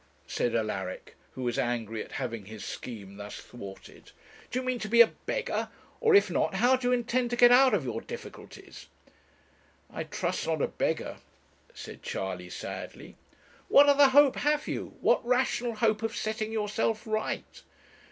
said Alaric, who was angry at having his scheme thus thwarted; 'do you mean to be a beggar? or if not, how do you intend to get out of your difficulties?' 'I trust not a beggar,' said Charley, sadly. 'What other hope have you? what rational hope of setting yourself right?'